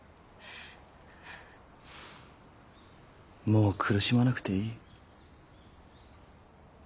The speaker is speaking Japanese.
もう苦しまなくていい。